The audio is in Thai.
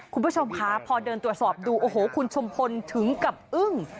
คุณผู้ชมคะพอเดินตรวจสอบดูโอ้โหคุณชุมพลถึงกับอึ้ง